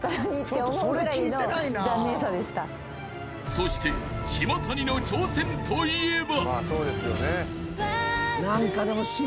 ［そして島谷の挑戦といえば］